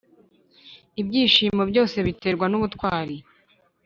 ibyishimo byose biterwa n'ubutwari